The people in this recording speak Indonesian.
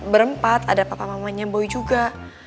berempat ada papa mamanya boy juga